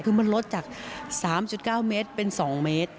คือมันลดจาก๓๙เมตรเป็น๒เมตร